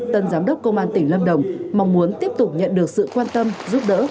tân giám đốc công an tỉnh lâm đồng mong muốn tiếp tục nhận được sự quan tâm giúp đỡ